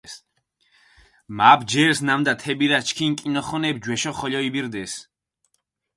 მა ბჯერს, ნამდა თე ბირას ჩქინ კჷნოხონეფი ჯვეშო ხოლო იბირდეს.